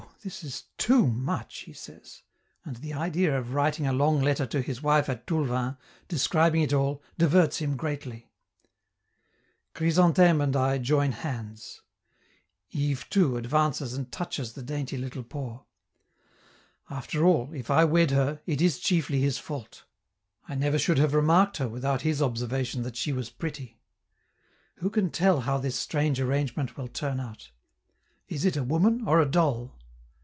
this is too much," he says, and the idea of writing a long letter to his wife at Toulven, describing it all, diverts him greatly. Chrysantheme and I join hands. Yves, too, advances and touches the dainty little paw. After all, if I wed her, it is chiefly his fault; I never should have remarked her without his observation that she was pretty. Who can tell how this strange arrangement will turn out? Is it a woman or a doll?